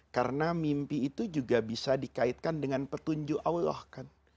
karena mimpi itu juga bisa dikaitkan dengan petunjuk allah kan